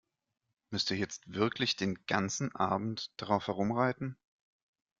Müsst ihr jetzt wirklich den ganzen Abend darauf herumreiten?